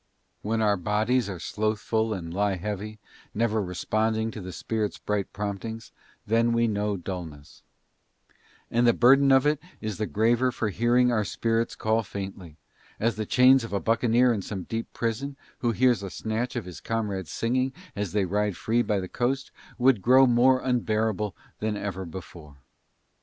When our bodies are slothful and lie heavy, never responding to the spirit's bright promptings, then we know dullness: and the burden of it is the graver for hearing our spirits call faintly, as the chains of a buccaneer in some deep prison, who hears a snatch of his comrades' singing as they ride free by the coast, would grow more unbearable than ever before.